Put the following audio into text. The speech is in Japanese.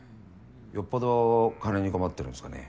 よっぽど金に困ってるんすかね。